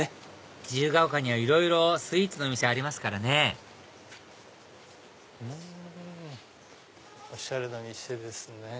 自由が丘にはいろいろスイーツの店ありますからねおしゃれな店ですね